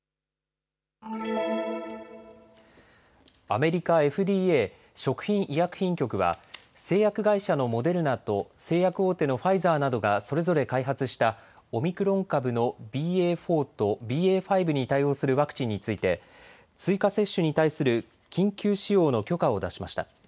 アメリカＦＤＡ・食品医薬品局は製薬会社のモデルナと製薬大手のファイザーなどがそれぞれ開発したオミクロン株のＢＡ．４とＢＡ．５に対応するワクチンについて追加接種に対する緊急使用の許可を出しました。